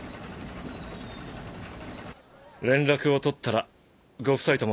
連絡を取ったらご夫妻共